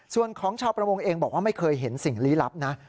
ส่วนของชาวประมงเองบอกว่าไม่เคยเห็นสิ่งลี้ลับนะ